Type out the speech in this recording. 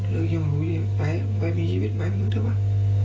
เลิกยุ่งเหมือนกูวัยมีชีวิตมายมึงเดอะบ้าง